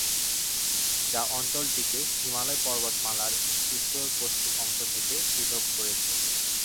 যা অঞ্চলটিকে হিমালয় পর্বতমালার উত্তর-পশ্চিম অংশ থেকে পৃথক করেছে।